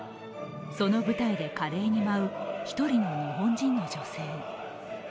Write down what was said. その舞台で華麗に舞う一人の日本人の女性。